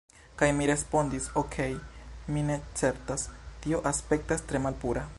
Kaj mi respondis, "Okej' mi ne certas... tio aspektas tre malpura..."